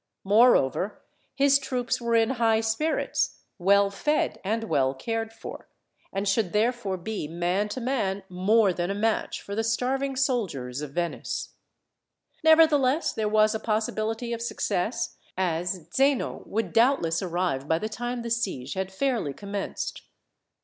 Moreover his troops were in high spirits, well fed, and well cared for, and should therefore be, man to man, more than a match for the starving soldiers of Venice. Nevertheless, there was a possibility of success, as Zeno would doubtless arrive by the time the siege had fairly commenced.